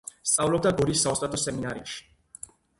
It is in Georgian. სწავლობდა გორის საოსტატო სემინარიაში.